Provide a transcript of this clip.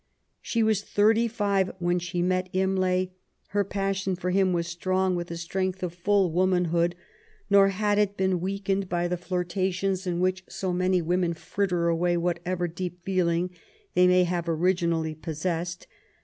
She was thirty five when she met Imlay. Her passion for him was strong with the strength of full womanhood, nor had it been weakened by the flirtations in which so many women fritter away what ever deep feeling they may have originally possessed.